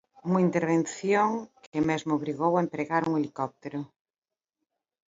Unha intervención que mesmo obrigou a empregar un helicóptero.